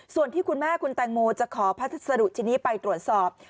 ส่วนที่คุณแม่คุณแตงโมจะขอพัสดุชิ้นนี้ไปตรวจสอบ